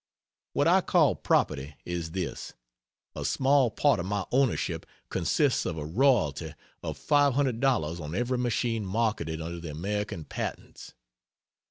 What I call "property" is this. A small part of my ownership consists of a royalty of $500 on every machine marketed under the American patents.